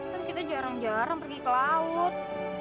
kan kita jarang jarang pergi ke laut